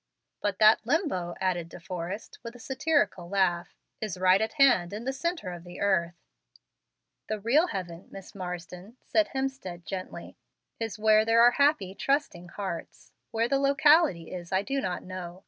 "But that Limbo," added De Forrest, with a satirical laugh, "is right at hand in the centre of the earth." "The real heaven, Miss Marsden," said Hemstead, gently, "is where there are happy, trusting hearts. Where the locality is I do not know.